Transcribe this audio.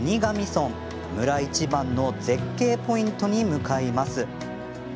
村一番の絶景ポイントに向かいます。